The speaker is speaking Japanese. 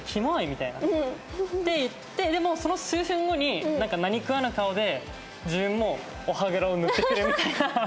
みたいな。って言ってでもその数分後になんか何食わぬ顔で自分もお歯黒を塗ってくれるみたいな。